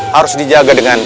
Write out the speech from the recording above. harus dijaga dengan